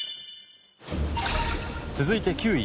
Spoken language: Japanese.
続いて９位。